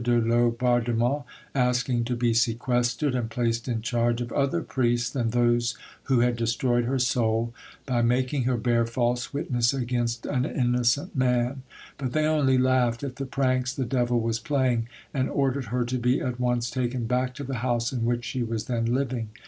de Laubardemont, asking to be sequestered and placed in charge of other priests than those who had destroyed her soul, by making her bear false witness against an innocent man; but they only laughed at the pranks the devil was playing, and ordered her to be at once taken back to the house in which she was then living.